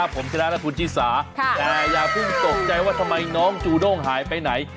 ผมชนะและคุณชิสาแต่อย่าเพิ่งตกใจว่าทำไมน้องจูด้งหายไปไหน